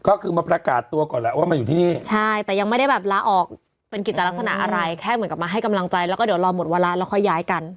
ก็คือมาประกาศตัวก่อนแหละว่ามาอยู่ที่นี่ใช่แต่ยังไม่ได้แบบลาออกเป็นกิจลักษณะอะไรแค่เหมือนกับมาให้กำลังใจแล้วก็เดี๋ยวรอหมดเวลาแล้วค่อยย้ายกัน